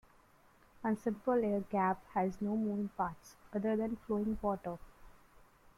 A simple air gap has no moving parts, other than flowing water.